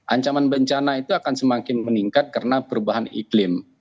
ancaman bencana itu akan semakin meningkat karena perubahan iklim